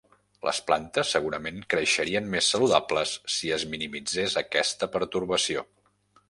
Les plantes segurament creixerien més saludables si es minimitzés aquesta pertorbació.